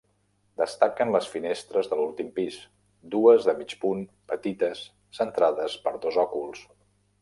Destaquen les finestres de l'últim pis: dues de mig punt petites centrades per dos òculs.